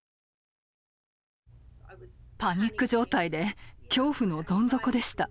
パニック状態で恐怖のどん底でした。